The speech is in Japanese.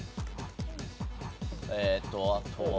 えっとあとは。